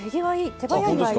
手早いですね。